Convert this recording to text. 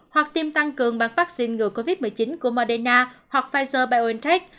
hoặc tiêm tăng cường bằng vắc xin ngừa covid một mươi chín của moderna hoặc pfizer biontech